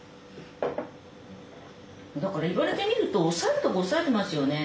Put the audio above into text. だから言われてみるとおさえるとこおさえてますよね。